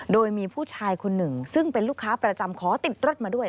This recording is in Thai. โดยมีผู้ชายคนหนึ่งซึ่งเป็นลูกค้าประจำขอติดรถมาด้วย